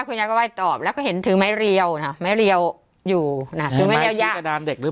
ของแม่ครอบแล้วเขาเห็นถือไม้เรียวนะไม่เรียวอยู่นะอย่างเด็ดหรือ